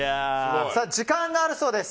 時間があるそうです。